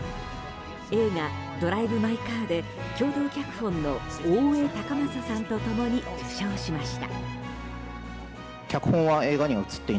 映画「ドライブ・マイ・カー」で共同脚本の大江祟允さんと共に受賞しました。